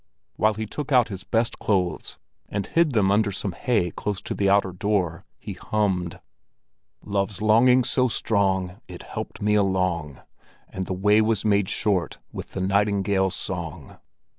While he took out his best clothes and hid them under some hay close to the outer door, he hummed:— "Love's longing so strong It helped me along, And the way was made short with the nightingales' song."